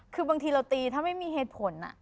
คือบางทีเราตีถ้าไม่มีเหตุผล